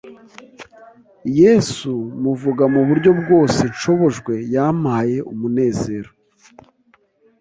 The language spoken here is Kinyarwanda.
Yesu muvuga mu buryo bwose nshobojwe yampaye umunezero